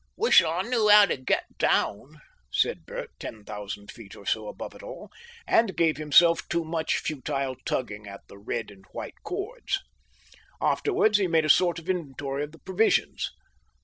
"Wish I knew how to get down," said Bert, ten thousand feet or so above it all, and gave himself to much futile tugging at the red and white cords. Afterwards he made a sort of inventory of the provisions.